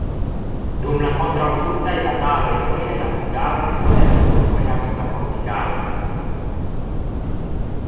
Dum la kontraŭturkaj bataloj foje la hungaroj, foje la turkoj havis la fortikaĵon.